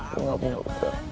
gua gak punya utang